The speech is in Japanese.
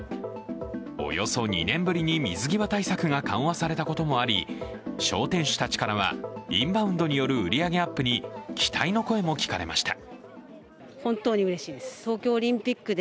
およそ２年ぶりに水際対策が緩和されたこともあり、商店主たちからは、インバウンドによる売り上げアップに期待の声も聞かれました。